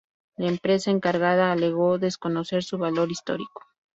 La empresa encargada alegó "desconocer su valor histórico".